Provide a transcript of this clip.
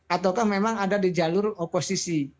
ataukah memang ada di jalur oposisi